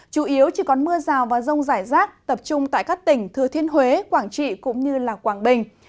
chủ yếu chỉ còn mưa rào và rông rải rác tập trung tại các tỉnh thừa thiên huế quảng trị cũng như quảng bình